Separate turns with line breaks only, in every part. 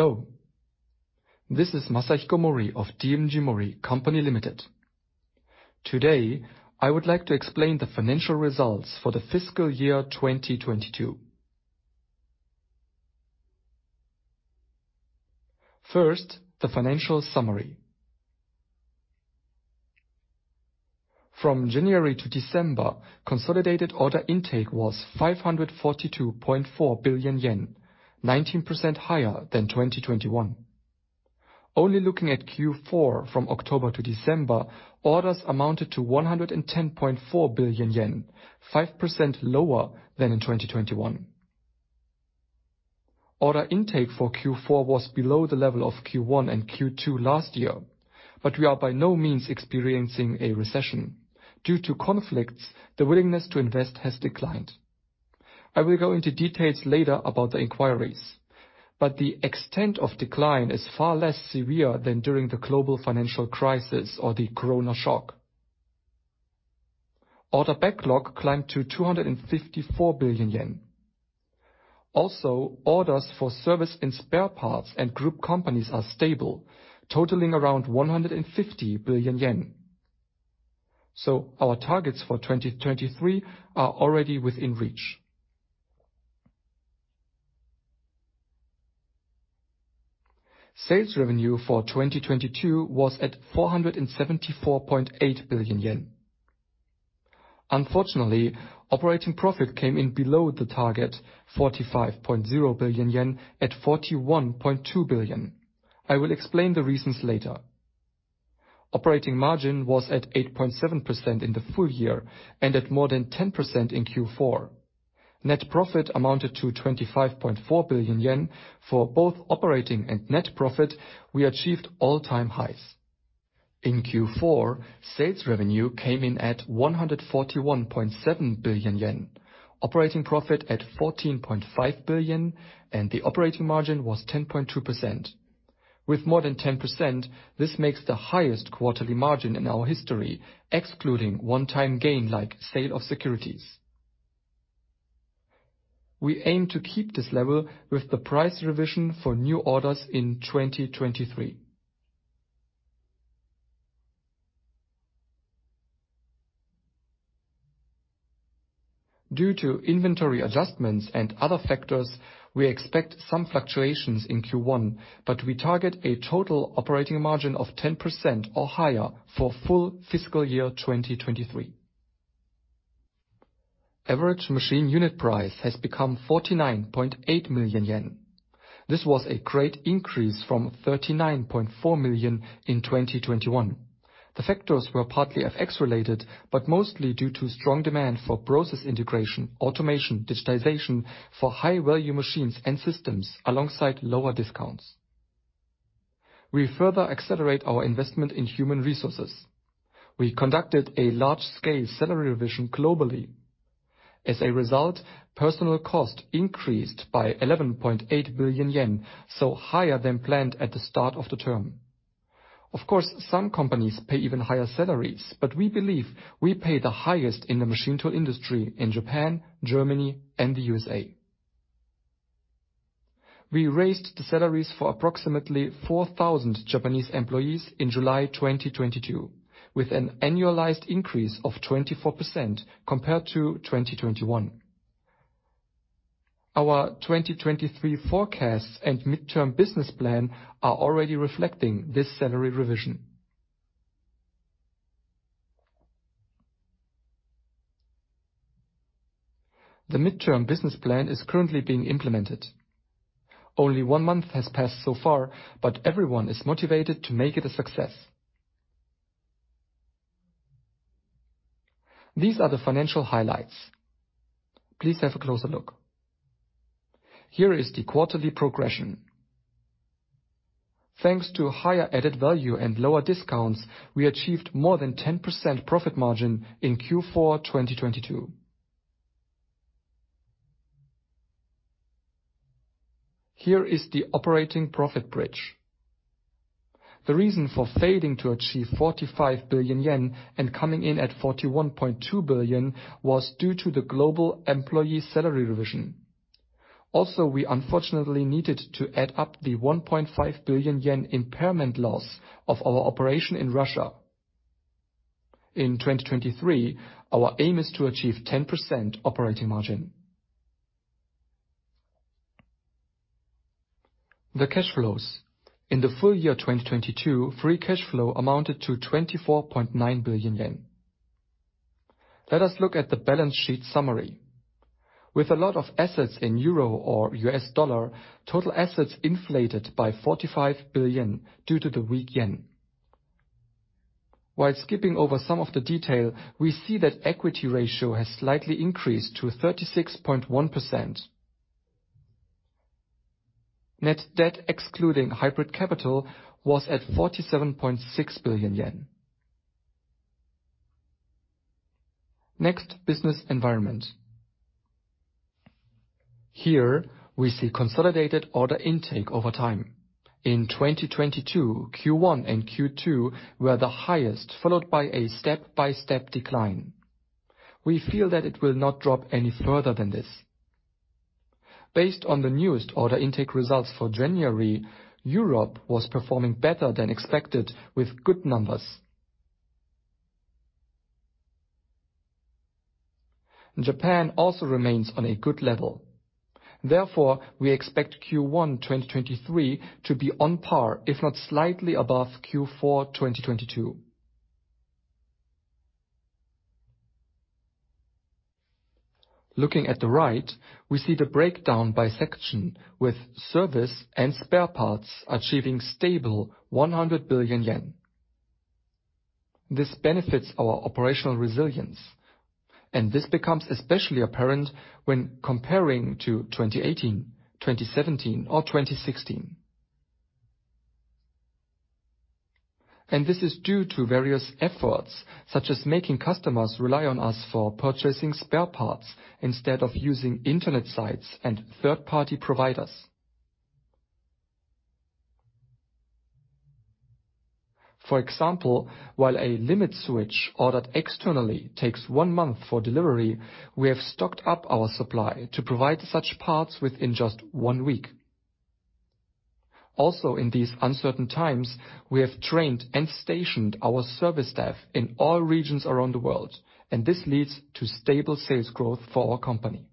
Hello. This is Masahiko Mori of DMG MORI Company Limited. Today, I would like to explain the financial results for the fiscal year 2022. First, the financial summary. From January to December, consolidated order intake was 542.4 billion yen, 19% higher than 2021. Only looking at Q4 from October to December, orders amounted to 110.4 billion yen, 5% lower than in 2021. Order intake for Q4 was below the level of Q1 and Q2 last year, but we are by no means experiencing a recession. Due to conflicts, the willingness to invest has declined. I will go into details later about the inquiries, but the extent of decline is far less severe than during the global financial crisis or the Corona shock. Order backlog climbed to 254 billion yen. Orders for service and spare parts and group companies are stable, totaling around 150 billion yen. Our targets for 2023 are already within reach. Sales revenue for 2022 was at 474.8 billion yen. Unfortunately, operating profit came in below the target 45.0 billion yen at 41.2 billion. I will explain the reasons later. Operating margin was at 8.7% in the full year and at more than 10% in Q4. Net profit amounted to 25.4 billion yen. For both operating and net profit, we achieved all-time highs. In Q4, sales revenue came in at 141.7 billion yen, operating profit at 14.5 billion, and the operating margin was 10.2%. With more than 10%, this makes the highest quarterly margin in our history, excluding one-time gain like sale of securities. We aim to keep this level with the price revision for new orders in 2023. Due to inventory adjustments and other factors, we expect some fluctuations in Q1, but we target a total operating margin of 10% or higher for full fiscal year 2023. Average machine unit price has become 49.8 million yen. This was a great increase from 39.4 million in 2021. The factors were partly FX related, but mostly due to strong demand for Process Integration, automation, digitization for high value machines and systems alongside lower discounts. We further accelerate our investment in human resources. We conducted a large-scale salary revision globally. As a result, personal cost increased by 11.8 billion yen, so higher than planned at the start of the term. Of course, some companies pay even higher salaries, but we believe we pay the highest in the machine tool industry in Japan, Germany, and the USA. We raised the salaries for approximately 4,000 Japanese employees in July 2022, with an annualized increase of 24% compared to 2021. Our 2023 forecasts and midterm business plan are already reflecting this salary revision. The midterm business plan is currently being implemented. Only one month has passed so far, but everyone is motivated to make it a success. These are the financial highlights. Please have a closer look. Here is the quarterly progression. Thanks to higher added value and lower discounts, we achieved more than 10% profit margin in Q4 2022. Here is the operating profit bridge. The reason for failing to achieve 45 billion yen and coming in at 41.2 billion was due to the global employee salary revision. We unfortunately needed to add up the 1.5 billion yen impairment loss of our operation in Russia. In 2023, our aim is to achieve 10% operating margin. The cash flows. In the full year 2022, free cash flow amounted to 24.9 billion yen. Let us look at the balance sheet summary. With a lot of assets in euro or U.S. dollar, total assets inflated by 45 billion due to the weak yen. While skipping over some of the detail, we see that equity ratio has slightly increased to 36.1%. Net debt excluding hybrid capital was at 47.6 billion yen. Business environment. Here we see consolidated order intake over time. In 2022, Q1 and Q2 were the highest, followed by a step-by-step decline. We feel that it will not drop any further than this. Based on the newest order intake results for January, Europe was performing better than expected with good numbers. Japan also remains on a good level. We expect Q1 2023 to be on par, if not slightly above Q4 2022. Looking at the right, we see the breakdown by section with service and spare parts achieving stable 100 billion yen. This benefits our operational resilience, and this becomes especially apparent when comparing to 2018, 2017 or 2016. This is due to various efforts, such as making customers rely on us for purchasing spare parts instead of using Internet sites and third-party providers. For example, while a limit switch ordered externally takes one month for delivery, we have stocked up our supply to provide such parts within just one week. In these uncertain times, we have trained and stationed our service staff in all regions around the world, and this leads to stable sales growth for our company.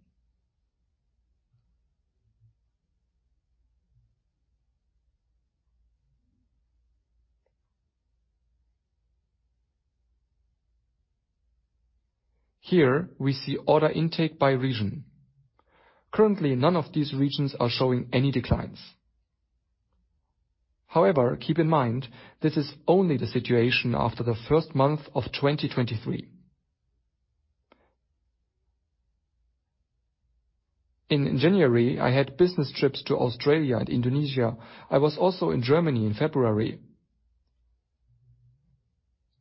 Here we see order intake by region. Currently, none of these regions are showing any declines. However, keep in mind this is only the situation after the first month of 2023. In January, I had business trips to Australia and Indonesia. I was also in Germany in February.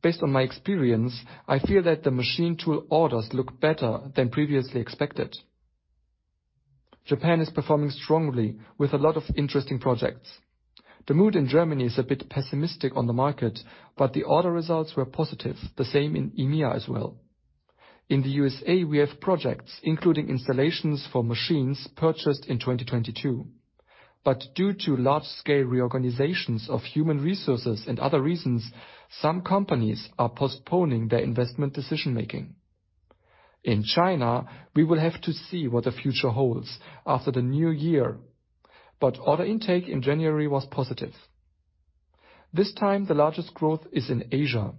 Based on my experience, I feel that the machine tool orders look better than previously expected. Japan is performing strongly with a lot of interesting projects. The mood in Germany is a bit pessimistic on the market, but the order results were positive. The same in EMEA as well. In the USA, we have projects including installations for machines purchased in 2022, but due to large-scale reorganizations of human resources and other reasons, some companies are postponing their investment decision making. In China, we will have to see what the future holds after the new year, but order intake in January was positive. This time the largest growth is in Asia.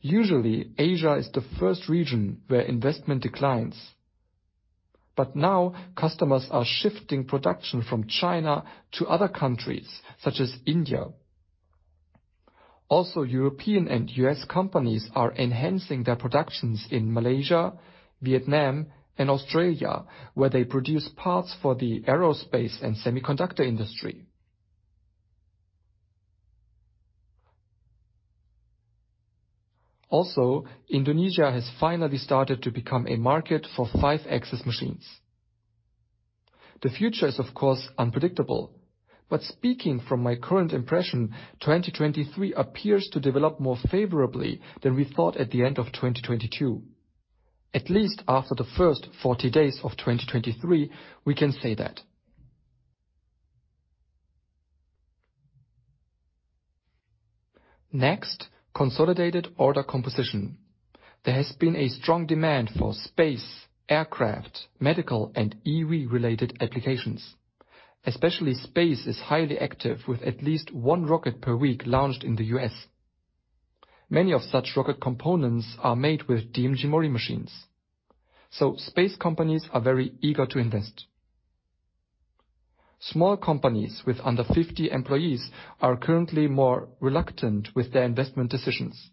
Usually, Asia is the first region where investment declines, but now customers are shifting production from China to other countries, such as India. European and U.S. companies are enhancing their productions in Malaysia, Vietnam and Australia, where they produce parts for the aerospace and semiconductor industry. Indonesia has finally started to become a market for 5-axis machines. The future is of course unpredictable, but speaking from my current impression, 2023 appears to develop more favorably than we thought at the end of 2022. At least after the first 40 days of 2023, we can say that. Next, consolidated order composition. There has been a strong demand for space, aircraft, medical and EV related applications. Especially space is highly active with at least one rocket per week launched in the U.S. many of such rocket components are made with DMG MORI machines, so space companies are very eager to invest. Small companies with under 50 employees are currently more reluctant with their investment decisions.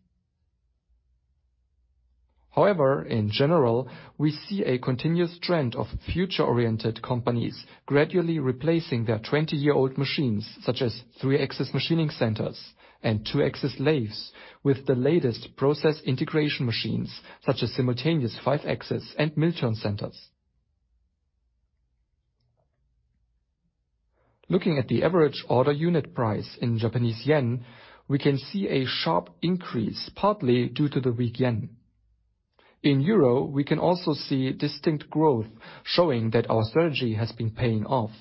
However, in general, we see a continuous trend of future-oriented companies gradually replacing their 20-year-old machines, such as 3- axis machining centers and 2-axis lathes with the latest process integration machines such as simultaneous 5-axis and mill-turn centers. Looking at the average order unit price in Japanese yen, we can see a sharp increase partly due to the weak yen. In euro, we can also see distinct growth showing that our strategy has been paying off.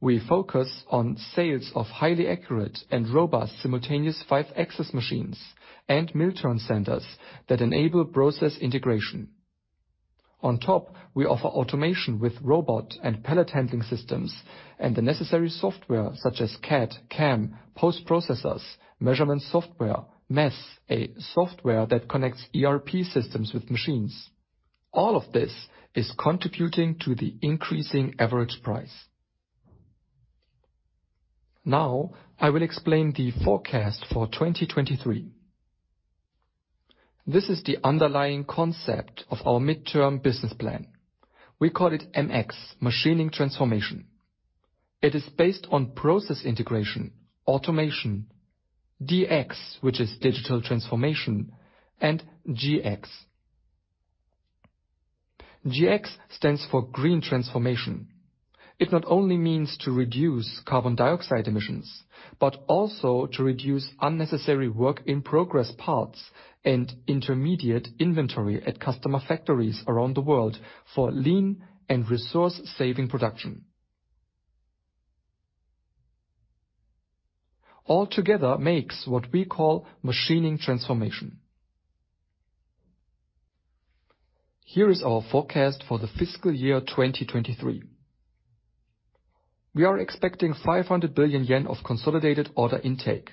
We focus on sales of highly accurate and robust simultaneous 5-axis machines and mill-turn centers that enable Process Integration. On top, we offer automation with robot and pallet handling systems and the necessary software such as CAD, CAM, post processors, measurement software, MES, a software that connects ERP systems with machines. All of this is contributing to the increasing average price. Now I will explain the forecast for 2023. This is the underlying concept of our midterm business plan. We call it MX Machining Transformation. It is based on Process Integration, automation, DX which is digital transformation and GX stands for Green Transformation. It not only means to reduce carbon dioxide emissions, but also to reduce unnecessary work in progress parts and intermediate inventory at customer factories around the world for lean and resource-saving production. All together makes what we call Machining Transformation. Here is our forecast for the fiscal year 2023. We are expecting 500 billion yen of consolidated order intake,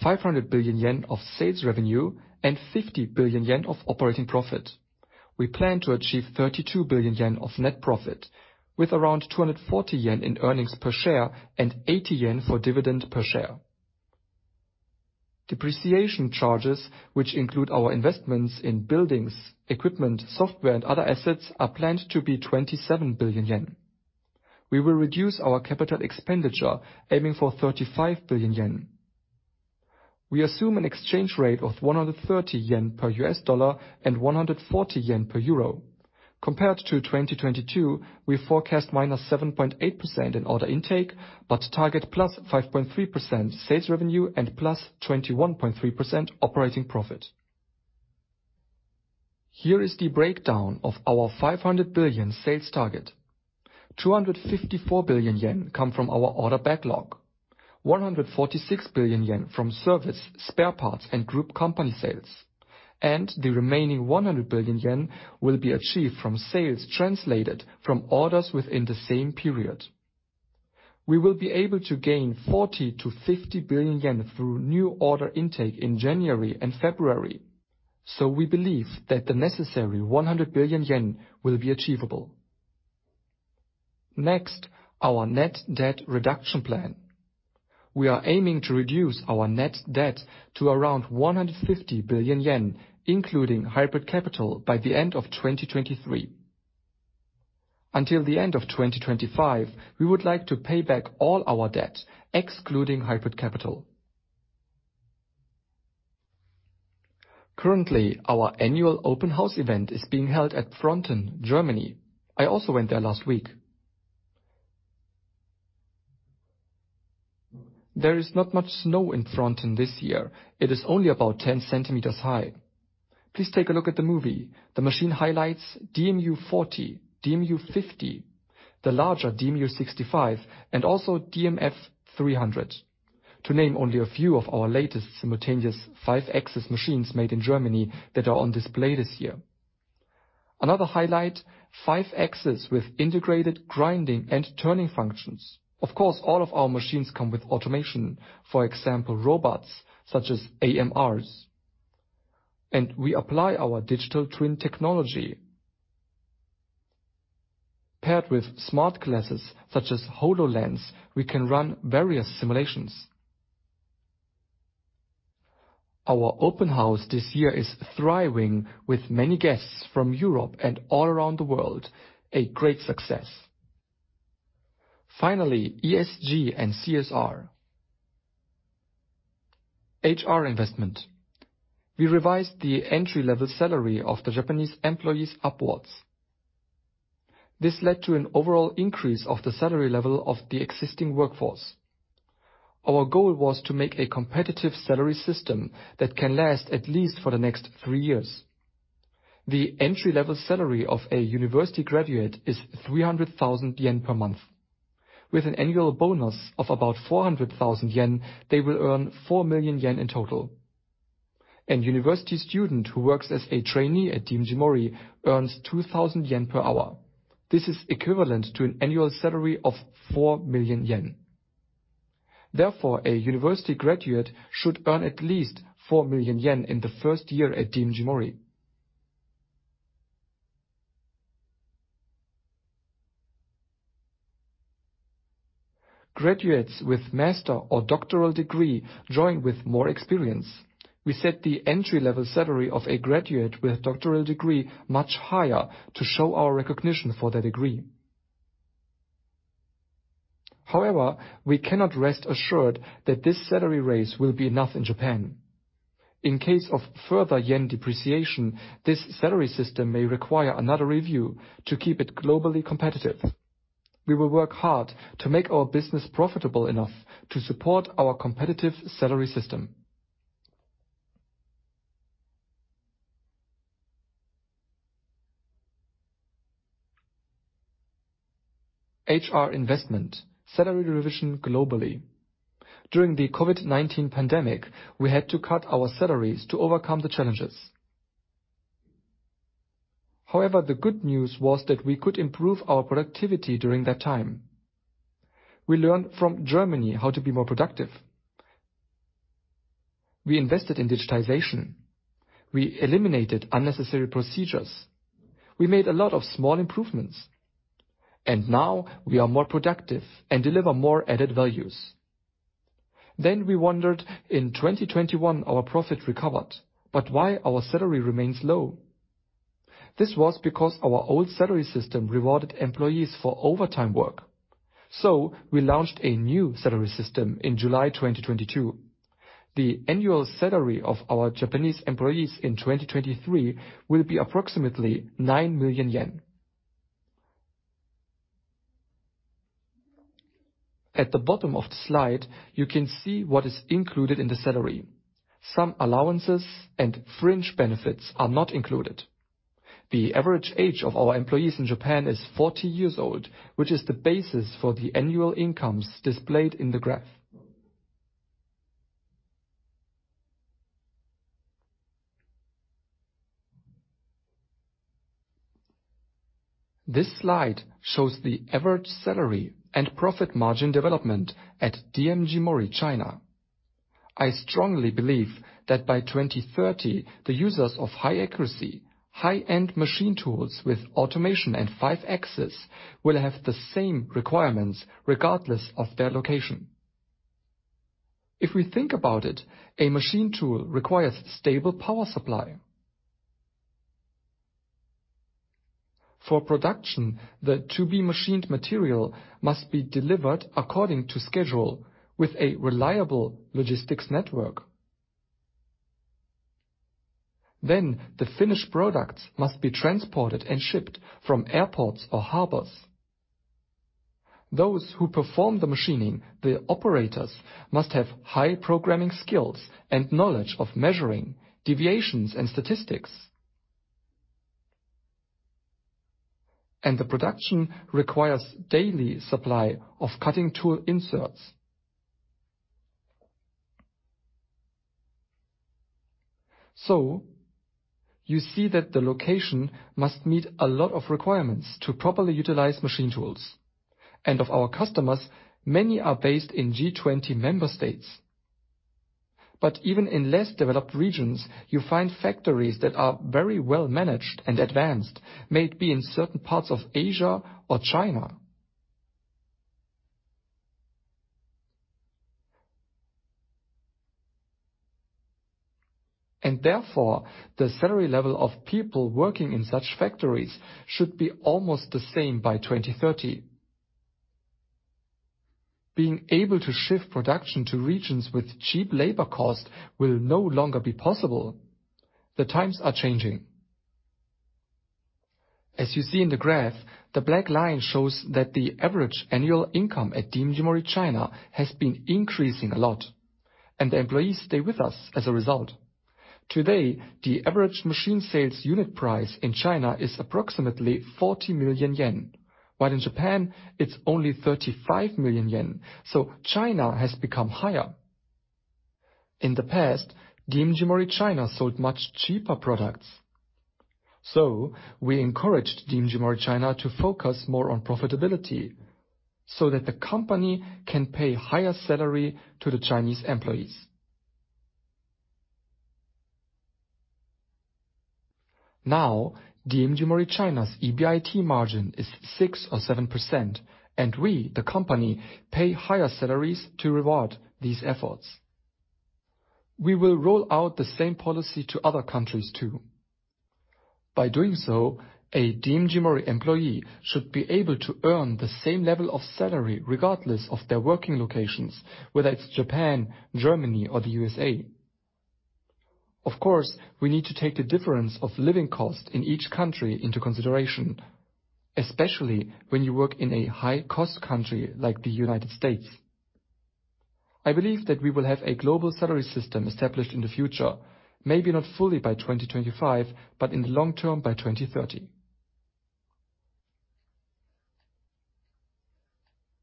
500 billion yen of sales revenue, and 50 billion yen of operating profit. We plan to achieve 32 billion yen of net profit with around 240 yen in earnings per share and 80 yen for dividend per share. Depreciation charges, which include our investments in buildings, equipment, software, and other assets, are planned to be 27 billion yen. We will reduce our capital expenditure aiming for 35 billion yen. We assume an exchange rate of 130 yen per USD and JPY 140 per EUR. Compared to 2022, we forecast -7.8% in order intake, but target +5.3% sales revenue and +21.3% operating profit. Here is the breakdown of our 500 billion sales target. 254 billion yen come from our order backlog. 146 billion yen from service spare parts and group company sales. The remaining 100 billion yen will be achieved from sales translated from orders within the same period. We will be able to gain 40 billion-50 billion yen through new order intake in January and February, so we believe that the necessary 100 billion yen will be achievable. Next, our net debt reduction plan. We are aiming to reduce our net debt to around 150 billion yen, including hybrid capital by the end of 2023. Until the end of 2025, we would like to pay back all our debt excluding hybrid capital. Currently, our annual open house event is being held at Pfronten, Germany. I also went there last week. There is not much snow in Pfronten this year. It is only about 10 centimeters high. Please take a look at the movie. The machine highlights DMU 40, DMU 50, the larger DMU 65, and also DMF 300, to name only a few of our latest simultaneous 5-axis machines made in Germany that are on display this year. Another highlight, 5-axis with integrated grinding and turning functions. Of course, all of our machines come with automation. For example, robots such as AMRs. We apply our digital twin technology. Paired with smart glasses such as HoloLens, we can run various simulations. Our open house this year is thriving with many guests from Europe and all around the world. A great success. Finally, ESG and CSR. HR investment. We revised the entry-level salary of the Japanese employees upwards. This led to an overall increase of the salary level of the existing workforce. Our goal was to make a competitive salary system that can last at least for the next three years. The entry-level salary of a university graduate is 300,000 yen per month. With an annual bonus of about 400,000 yen, they will earn 4 million yen in total. A university student who works as a trainee at DMG MORI earns 2,000 yen per hour. This is equivalent to an annual salary of 4 million yen. Therefore, a university graduate should earn at least 4 million yen in the first year at DMG MORI. Graduates with master or doctoral degree join with more experience. We set the entry-level salary of a graduate with doctoral degree much higher to show our recognition for their degree. However, we cannot rest assured that this salary raise will be enough in Japan. In case of further yen depreciation, this salary system may require another review to keep it globally competitive. We will work hard to make our business profitable enough to support our competitive salary system. HR investment. Salary revision globally. During the COVID-19 pandemic, we had to cut our salaries to overcome the challenges. However, the good news was that we could improve our productivity during that time. We learned from Germany how to be more productive. We invested in digitization. We eliminated unnecessary procedures. We made a lot of small improvements, and now we are more productive and deliver more added values. We wondered in 2021, our profit recovered, but why our salary remains low? This was because our old salary system rewarded employees for overtime work. We launched a new salary system in July 2022. The annual salary of our Japanese employees in 2023 will be approximately 9 million yen. At the bottom of the slide, you can see what is included in the salary. Some allowances and fringe benefits are not included. The average age of our employees in Japan is 40 years old, which is the basis for the annual incomes displayed in the graph. This slide shows the average salary and profit margin development at DMG MORI China. I strongly believe that by 2030, the users of high accuracy, high-end machine tools with automation and 5-axis will have the same requirements regardless of their location. A machine tool requires stable power supply. For production, the to-be-machined material must be delivered according to schedule with a reliable logistics network. The finished products must be transported and shipped from airports or harbors. Those who perform the machining, the operators, must have high programming skills and knowledge of measuring deviations and statistics. The production requires daily supply of cutting tool inserts. The location must meet a lot of requirements to properly utilize machine tools. Of our customers, many are based in G20 member states. Even in less developed regions, you find factories that are very well managed and advanced, may it be in certain parts of Asia or China. Therefore, the salary level of people working in such factories should be almost the same by 2030. Being able to shift production to regions with cheap labor cost will no longer be possible. The times are changing. As you see in the graph, the black line shows that the average annual income at DMG MORI China has been increasing a lot, and the employees stay with us as a result. Today, the average machine sales unit price in China is approximately 40 million yen, while in Japan it's only 35 million yen. China has become higher. In the past, DMG MORI China sold much cheaper products. We encouraged DMG MORI China to focus more on profitability so that the company can pay higher salary to the Chinese employees. Now, DMG MORI China's EBIT margin is 6% or 7%, and we, the company, pay higher salaries to reward these efforts. We will roll out the same policy to other countries too. By doing so, a DMG MORI employee should be able to earn the same level of salary regardless of their working locations, whether it's Japan, Germany, or the USA. Of course, we need to take the difference of living cost in each country into consideration, especially when you work in a high-cost country like the United States. I believe that we will have a global salary system established in the future, maybe not fully by 2025, but in the long term by 2030.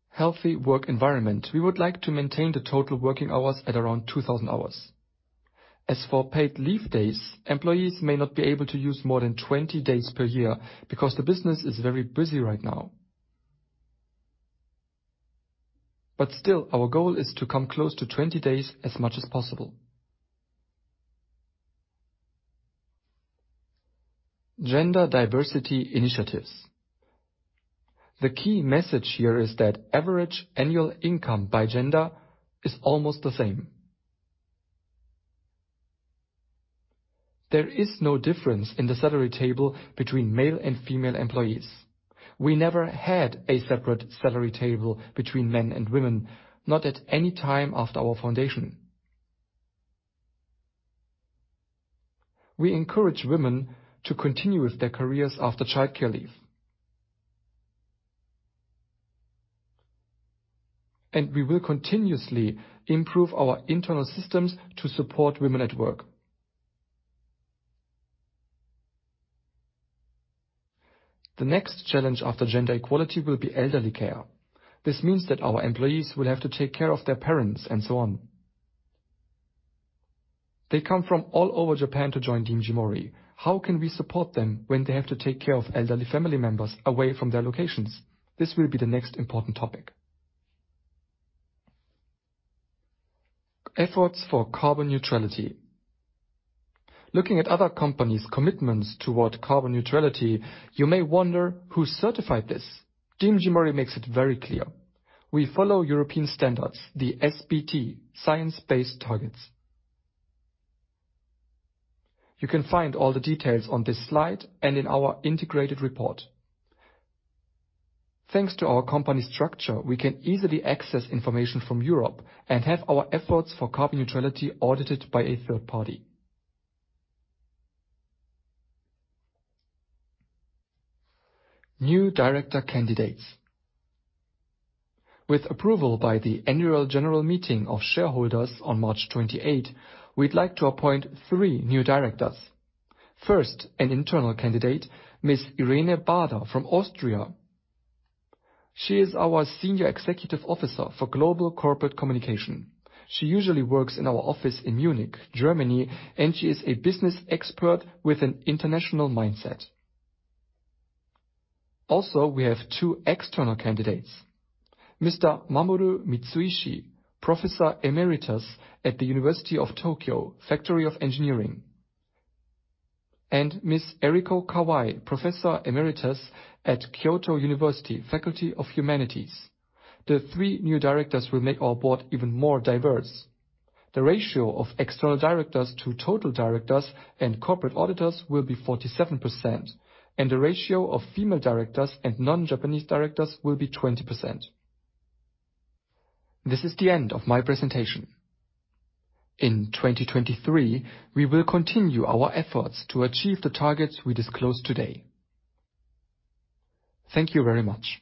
Healthy work environment. We would like to maintain the total working hours at around 2,000 hours. As for paid leave days, employees may not be able to use more than 20 days per year because the business is very busy right now. Still, our goal is to come close to 20 days as much as possible. Gender diversity initiatives. The key message here is that average annual income by gender is almost the same. There is no difference in the salary table between male and female employees. We never had a separate salary table between men and women, not at any time after our foundation. We encourage women to continue with their careers after childcare leave. We will continuously improve our internal systems to support women at work. The next challenge after gender equality will be elderly care. This means that our employees will have to take care of their parents, and so on. They come from all over Japan to join DMG MORI. How can we support them when they have to take care of elderly family members away from their locations? This will be the next important topic. Efforts for carbon neutrality. Looking at other companies' commitments toward carbon neutrality, you may wonder who certified this. DMG MORI makes it very clear. We follow European standards, the SBT, Science Based Targets. You can find all the details on this slide and in our integrated report. Thanks to our company structure, we can easily access information from Europe and have our efforts for carbon neutrality audited by a third party. New director candidates. With approval by the Annual General Meeting of Shareholders on March 28, we'd like to appoint three new directors. First, an internal candidate Ms. Irene Bader from Austria. She is our Senior Executive Officer for Global Corporate Communication. She usually works in our office in Munich, Germany, and she is a business expert with an international mindset. We have two external candidates. Mr. Mamoru Mitsuishi, Professor Emeritus at the University of Tokyo, Faculty of Engineering. Ms. Eriko Kawai, Professor Emeritus at Kyoto University, Faculty of Letters. The three new directors will make our board even more diverse. The ratio of external directors to total directors and corporate auditors will be 47%, and the ratio of female directors and non-Japanese directors will be 20%. This is the end of my presentation. In 2023, we will continue our efforts to achieve the targets we disclosed today. Thank you very much.